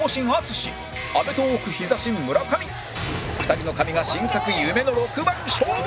２人の神が新作夢の６番勝負！